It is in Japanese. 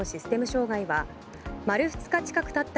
障害は丸２日近くたった